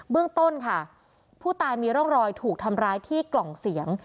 เรื่องต้นค่ะผู้ตายมีร่องรอยถูกทำร้ายที่กล่องเสียง